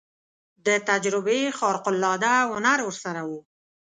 د تجربې خارق العاده هنر ورسره و.